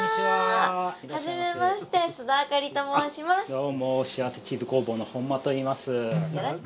どうもしあわせチーズ工房の本間と言います。